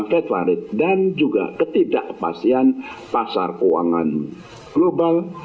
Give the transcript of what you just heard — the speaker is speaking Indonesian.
catchlar dan juga ketidakpastian pasar keuangan global